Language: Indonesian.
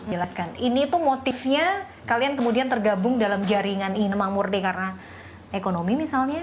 jelaskan ini tuh motifnya kalian kemudian tergabung dalam jaringan inama murni karena ekonomi misalnya